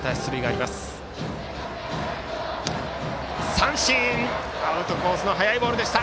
三振、アウトコースの速いボール。